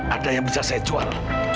ada yang bisa saya jual